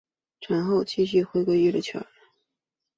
产后继续回归娱乐圈。